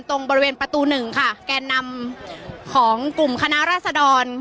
ตรงบริเวณประตูหนึ่งค่ะแกนนำของกลุ่มคณะราษดร